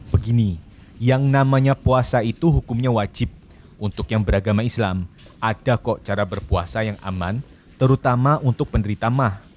begini yang namanya puasa itu hukumnya wajib untuk yang beragama islam ada kok cara berpuasa yang aman terutama untuk penderita mah